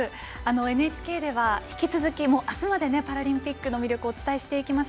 ＮＨＫではあすまでパラリンピックをお伝えしていきます。